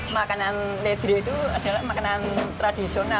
makanan ledre itu adalah makanan tradisional